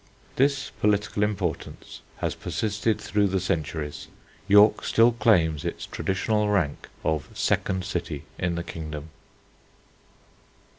This political importance has persisted through the centuries. York still claims its traditional rank of second city in the kingdom.